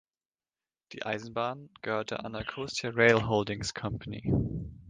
Die Eisenbahn gehört der Anacostia Rail Holdings Company.